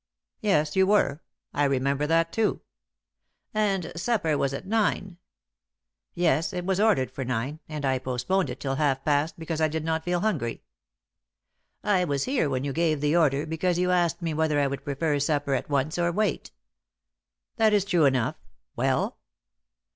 "Yes, you were; I remember that too." "And supper was at nine?" "Yes, it was ordered for nine, and I postponed it till half past because I did not feel hungry." "I was here when you gave the order, because you asked me whether I would prefer supper at once, or wait." "That is true enough. Well?"